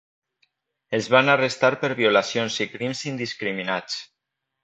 Els van arrestar per violacions i crims indiscriminats.